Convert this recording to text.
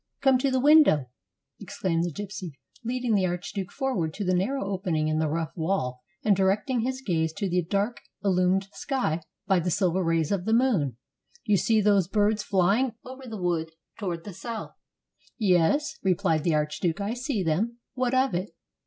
" Come to the window," exclaimed the gypsy, leading the archduke forward to the narrow opening in the rough wall and directing his gaze to the dark sky illumined by the silver rays of the moon. "You see those birds flying over the wood toward the south?" "Yes," replied the archduke, "I see them. What of it?"